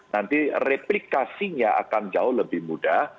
nanti replikasinya akan jauh lebih mudah